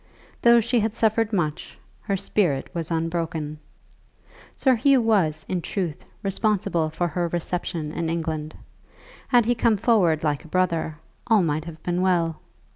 Though she had suffered much, her spirit was unbroken. Sir Hugh was, in truth, responsible for her reception in England. Had he come forward like a brother, all might have been well.